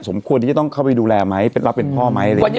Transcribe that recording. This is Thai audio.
ควรที่จะต้องเข้าไปดูแลไหมรับเป็นพ่อไหมอะไรอย่างนี้